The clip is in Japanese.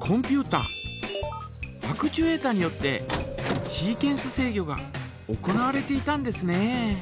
コンピュータアクチュエータによってシーケンス制御が行われていたんですね。